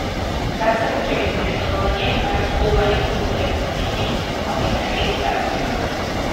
განსაკუთრებით მნიშვნელოვანია მარცვლოვანი კულტურების, ფინიკის პალმის და ხილის წარმოება.